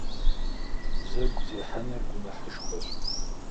Бзэгу зехьэныр гуэныхьышхуэщ.